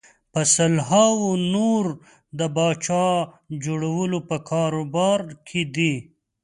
په سلهاوو نور د پاچا جوړولو په کاروبار کې دي.